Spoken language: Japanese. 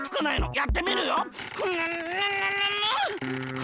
やってみるよ！